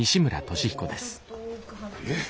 ☎えっ？